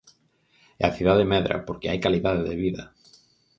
E a cidade medra, porque hai calidade de vida.